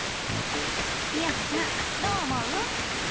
みあさちゃんどう思う？